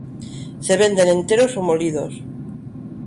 Se venden enteros o molidos.